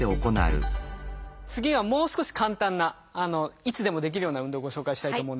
次はもう少し簡単ないつでもできるような運動をご紹介したいと思うんですけど。